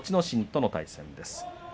心との対戦です。